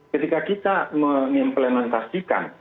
ketika kita mengimplementasikan